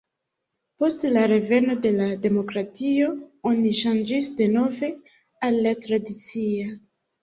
Post la reveno de la demokratio oni ŝanĝis denove al la tradicia.